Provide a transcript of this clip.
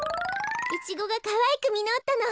イチゴがかわいくみのったの。